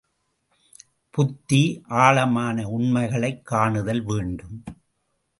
புத்தி, ஆழமான உண்மைகளைக் காணுதல் வேண்டும்.